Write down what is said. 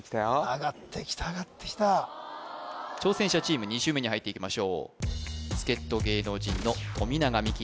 上がってきた上がってきた挑戦者チーム２周目に入っていきましょう助っ人芸能人の富永美樹